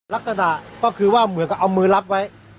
ลักษณะก็คือว่าเหมือนกับเอามือรับไว้